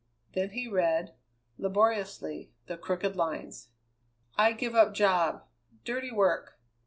Then he read, laboriously, the crooked lines: I give up job. Dirty work.